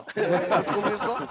持ち込みですか。